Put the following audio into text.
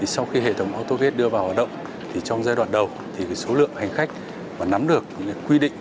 sau khi hệ thống autogate đưa vào hoạt động trong giai đoạn đầu số lượng hành khách nắm được quy định